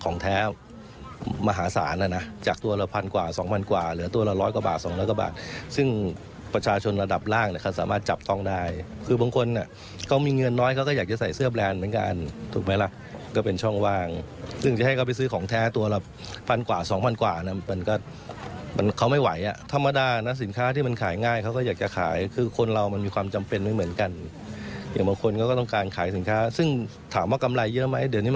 นะน่ะจากตัวละพันกว่าสองพันกว่าเหลือตัวละร้อยกว่าบาทสองละกว่าบาทซึ่งประชาชนระดับล่างเนี้ยเขาสามารถจับต้องได้คือบางคนอ่ะเขามีเงินน้อยเขาก็อยากจะใส่เสื้อแบรนด์เหมือนกันถูกไหมล่ะก็เป็นช่องวางซึ่งจะให้เขาไปซื้อของแท้ตัวละพันกว่าสองพันกว่าน่ะมันก็มันเขาไม่ไหวอ่ะธรรม